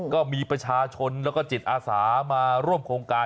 ก็มีประชาชนแล้วก็จิตอาสามาร่วมโครงการ